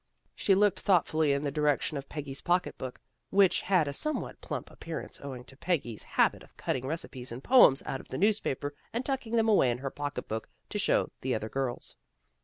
She looked thoughtfully in the direction of Peggy's pocket book, which had a somewhat plump appear ance owing to Peggy's habit of cutting recipes and poems out of the newspaper and tucking them away in her pocketbook to show the other girls.